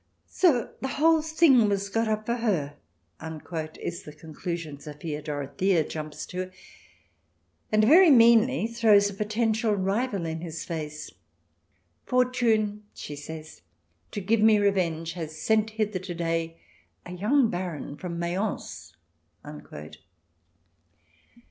So the whole thing was got up for her !" is the conclusion Sophia Dorothea jumps to, and, very meanly, throws a potential rival in his face. " Fortune," she says, " to give me revenge, has sent hither to day a young baron from Mayence."